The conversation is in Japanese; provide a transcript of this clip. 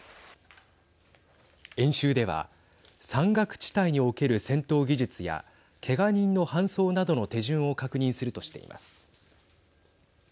演習では山岳地帯における戦闘技術やけが人の搬送などの手順を確認するとしています。